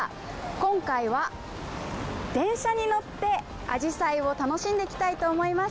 今回は、電車に乗ってあじさいを楽しんできたいと思います。